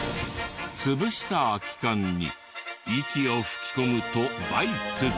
潰した空き缶に息を吹き込むとバイク。